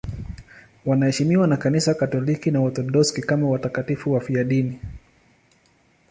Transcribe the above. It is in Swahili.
Wanaheshimiwa na Kanisa Katoliki na Waorthodoksi kama watakatifu wafiadini.